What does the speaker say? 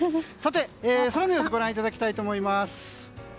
空の様子ご覧いただきたいと思います。